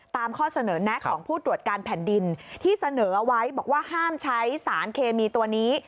ข้อเสนอแนะของผู้ตรวจการแผ่นดินที่เสนอเอาไว้บอกว่าห้ามใช้สารเคมีตัวนี้